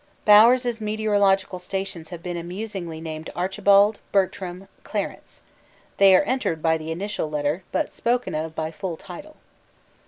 Bowers' meteorological stations have been amusingly named Archibald, Bertram, Clarence they are entered by the initial letter, but spoken of by full title.